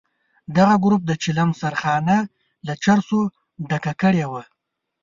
دغه ګروپ د چلم سرخانه له چرسو ډکه کړې وه.